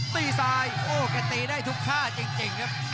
ตีซ้ายกะตีได้ทุกภาพจริงครับ